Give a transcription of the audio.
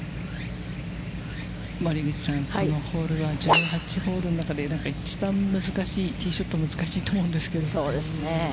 森口さん、このホールは、１８ホールの中で一番難しい、ティーショットが難しいと思うんですけど。